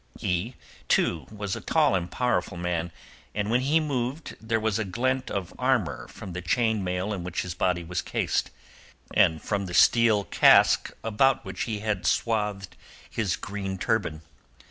He, too, was a tall and powerful man, and when he moved there was a glint of armour from the chain mail in which his body was cased, and from the steel casque about which he had swathed his green turban.